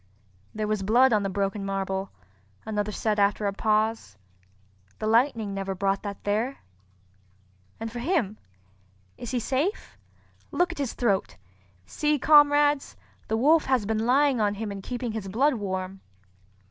"There was blood on the broken marble," another said after a pause, "the lightning never brought that there. And for him—is he safe? Look at his throat! See comrades, the wolf has been lying on him and keeping his blood warm."